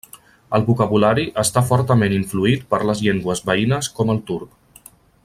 El vocabulari està fortament influït per les llengües veïnes com el turc.